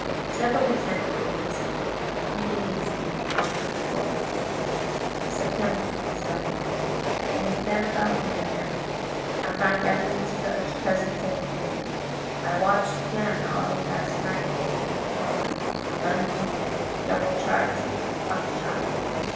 ..." Several weeks' entries are missing, three leaves being torn from the book. "Sept. 27.—It has been about here again—I find evidences of its presence every day. I watched again all of last night in the same cover, gun in hand, double charged with buckshot.